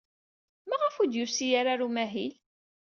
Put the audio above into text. Maɣef ur d-yusi ara ɣer umahil?